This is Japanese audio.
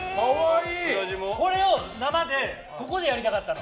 これを生でここでやりたかったの。